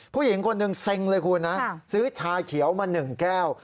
ผู้หญิงคนหนึ่งเซ็งเลยคุณนะซื้อชาเขียวมา๑แก้ว